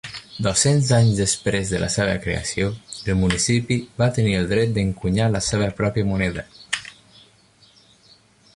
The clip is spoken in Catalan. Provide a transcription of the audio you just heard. Dos-cents anys després de la seva creació, el municipi va tenir el dret d'encunyar la seva pròpia moneda.